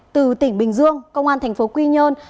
từ tỉnh bình dương công an thành phố quy nhơn